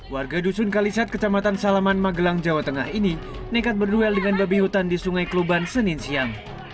warga dusun kalisat kecamatan salaman magelang jawa tengah ini nekat berduel dengan babi hutan di sungai keluban senin siang